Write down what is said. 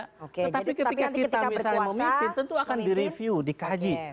tetapi ketika kita misalnya memimpin tentu akan direview dikaji